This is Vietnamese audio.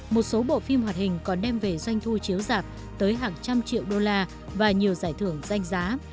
một số bộ phim hoạt hình còn đem về doanh thu chiếu giảp tới hàng trăm triệu đô la và nhiều giải thưởng danh giá